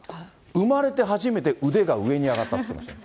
生まれて初めて腕が上に上がったって言ってました。